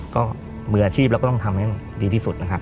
ก็มืออาชีพเราก็ต้องทำให้ดีที่สุดนะครับ